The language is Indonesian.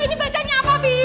ini bacanya apa pi